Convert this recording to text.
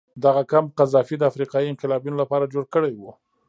دغه کمپ قذافي د افریقایي انقلابینو لپاره جوړ کړی و.